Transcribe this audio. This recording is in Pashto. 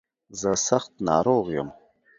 زه سخت ناروغ يم.